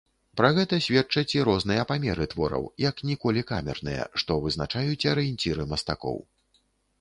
Пра гэта сведчаць і розныя памеры твораў, як ніколі камерныя, што вызначаюць арыенціры мастакоў.